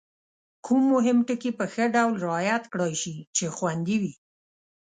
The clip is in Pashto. کوم مهم ټکي په ښه ډول رعایت کړای شي چې خوندي وي؟